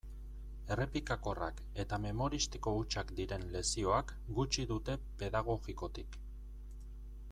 Errepikakorrak eta memoristiko hutsak diren lezioak gutxi dute pedagogikotik.